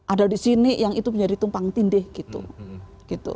ada di sini yang itu menjadi tumpang tindih gitu